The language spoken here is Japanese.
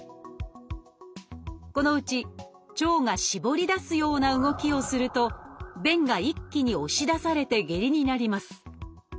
このうち腸が絞り出すような動きをすると便が一気に押し出されて下痢になります。